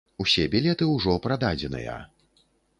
Усе білеты ўжо прададзеныя.